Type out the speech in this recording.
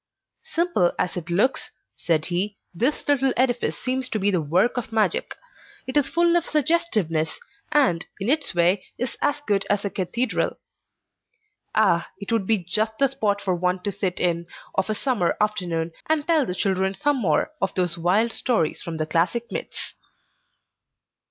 "Simple as it looks," said he, "this little edifice seems to be the work of magic. It is full of suggestiveness, and, in its way, is as good as a cathedral. Ah, it would be just the spot for one to sit in, of a summer afternoon, and tell the children some more of those wild stories from the classic myths!"